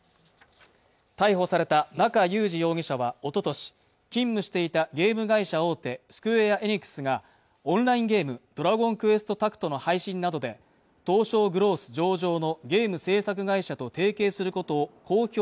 逮捕された中裕司容疑者はおととし勤務していたゲーム会社大手スクウェアエニックスがオンラインゲームドラゴンクエストタクトの配信などで当初グロース上場のゲーム制作会社と提携することを公表